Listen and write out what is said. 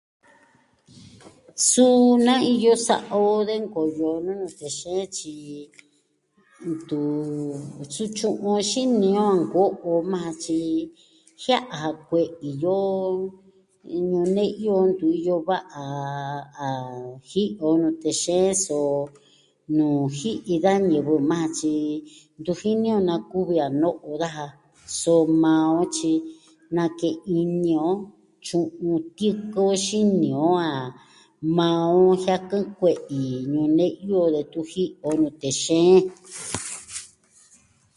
Suu, na iyo sa'a o de nkoyo nuu nute xeen, tyi ntu su tyu'un on xini on nko'o majan, tyi jia'a ja kue'i yo ñu'un ne'yu o, ntu iyo va'a, a ji'i o nute xeen, so nuu ji'i da ñivɨ majan, tyi ntu jini on na kuvi a no'o daja, so ma on, tyi nake'en ini on tyu'un tiɨkɨ o xini on a maa on jiakɨn kue'i ñu'un ne'yu o detun ji'i o nute xeen.